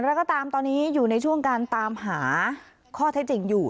แล้วก็ตามตอนนี้อยู่ในช่วงการตามหาข้อเท็จจริงอยู่